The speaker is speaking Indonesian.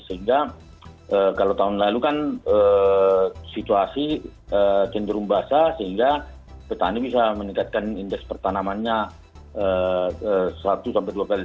sehingga kalau tahun lalu kan situasi cenderung basah sehingga petani bisa meningkatkan indeks pertanamannya satu sampai dua kali